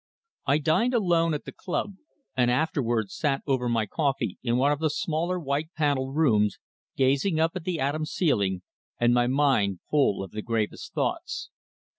I dined alone at the Club, and afterwards sat over my coffee in one of the smaller white panelled rooms, gazing up at the Adams ceiling, and my mind full of the gravest thoughts.